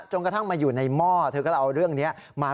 จนกระทั่งมาอยู่ในหม้อ